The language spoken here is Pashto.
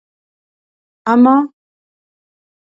اما